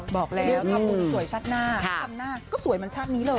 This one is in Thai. บอกแล้วถ้าคุณสวยชัดหน้าก็สวยมันชาตินี้เลย